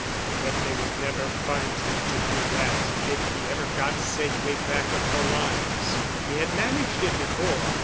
But they would never find him to do that if he ever got safely back of the lines. He had managed it before.